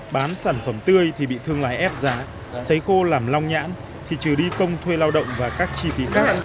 bán sản phẩm tươi thì bị thương lái ép giá xấy khô làm long nhãn thì trừ đi công thuê lao động và các chi phí khác